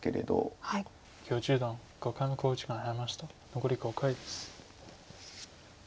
残り５回です。